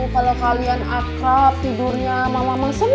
kalau kalian akrab tidurnya mama senang lihatnya